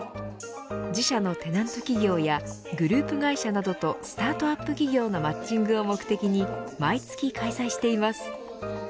自社のテナント企業やグループ会社などとスタートアップ企業のマッチングを目的に毎月開催しています。